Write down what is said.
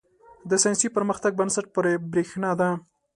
• د ساینسي پرمختګ بنسټ برېښنا ده.